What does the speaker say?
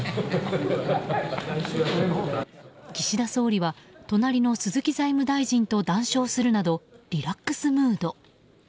岸田総理は隣の鈴木財務大臣と談笑するなどリラックスムード。